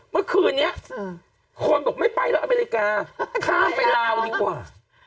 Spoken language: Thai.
เมื่อคืนนี้คนบอกไม่ไปแล้วอเมริกาข้ามไปลาวดีกว่า